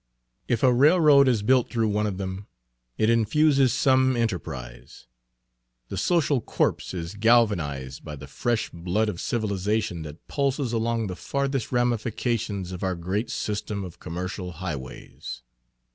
Page 62 If a railroad is built through one of them, it infuses some enterprise; the social corpse is galvanized by the fresh blood of civilization that pulses along the farthest ramifications of our great system of commercial highways.